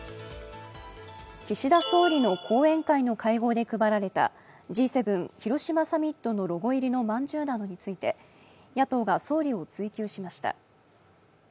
岸田総理の後援会の会合で配られたＧ７広島サミットロゴ入りのまんじゅうなどについて野党が総理を追及しました。